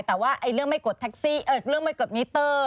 แต่ว่าเรื่องไม่กดมิเตอร์